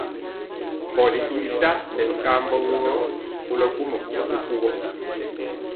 Mbɔli i ri saa nɛ binkambɔgɔ kolɔ gwomɔ kukuwɔ.